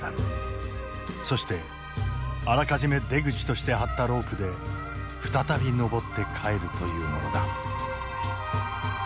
そしてあらかじめ出口として張ったロープで再び登って帰るというものだ。